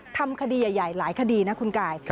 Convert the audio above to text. ทำคดีใหญ่หลายคดีนะคุณกาย